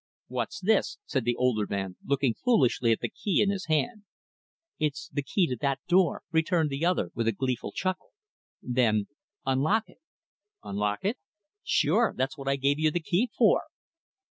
"What's this?" said the older man, looking foolishly at the key in his hand. "It's the key to that door," returned the other, with a gleeful chuckle. Then "Unlock it." "Unlock it?" "Sure that's what I gave you the key for."